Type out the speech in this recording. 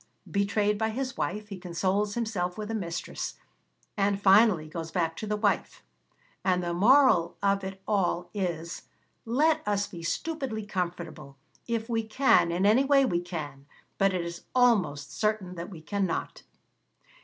Betrayed by his wife, he consoles himself with a mistress, and finally goes back to the wife. And the moral of it all is: 'Let us be stupidly comfortable, if we can, in any way we can: but it is almost certain that we cannot.'